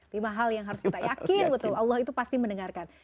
lima hal yang harus kita yakin betul allah itu pasti mendengarkan